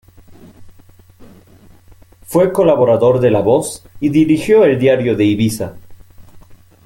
Fue colaborador de La Voz y dirigió el Diario de Ibiza.